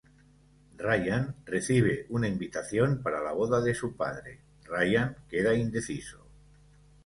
Ryan recibe una invitación para la boda de su padre, Ryan queda indeciso.